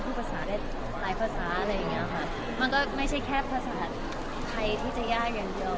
ภาษาได้หลายภาษาอะไรอย่างเงี้ยค่ะมันก็ไม่ใช่แค่ภาษาไทยที่จะยากอย่างเดียว